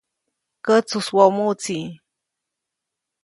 Kätsujswoʼmuʼtsi.